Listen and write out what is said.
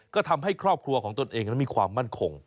ก็ทำให้ครอบครัวของตนเองนั้นมีความมั่นคง